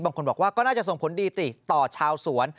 บางคนบอกว่าก็น่าจะส่งผลดีติดต่อชาวสวน